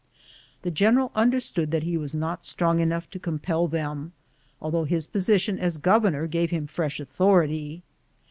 The general understood that he was not strong enough to compel them, although his position as governor gave him fresh authority.